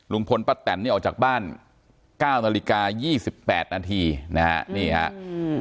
ลุงพลปทนี่ออกจากบ้าน๙นาฬิกา๒๘นาทีนะครับ